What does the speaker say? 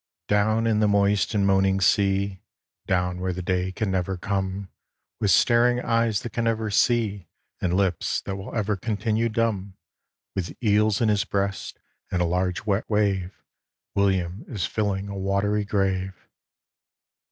Down in the moist and moaning sea, Down where the day can never come, With staring eyes that can never see And lips that will ever continue dumb, With eels in his breast, in a large wet wave, William is filling a watery grave.